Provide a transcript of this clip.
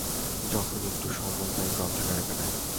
যখনই একটু সময় পাই গ্রন্থাগারে কাটাই।